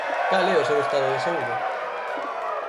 Cal é o seu estado de saúde?